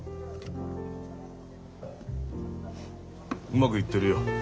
うまくいってるよ。